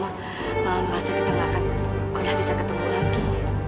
mama merasa kita gak akan udah bisa ketemu lagi